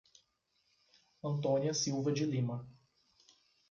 Antônia Silva de Lima